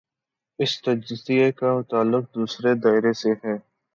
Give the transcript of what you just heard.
اس تجزیے کا تعلق دوسرے دائرے سے ہے۔